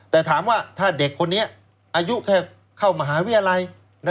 แต่ถามว่าถ้าเด็กคนนี้อายุแค่เข้ามหาวิทยาลัย